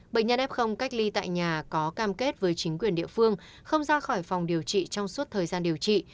bệnh nhân f cách ly tại nhà có cam kết với chính quyền địa phương không ra khỏi phòng điều trị trong suốt thời gian điều trị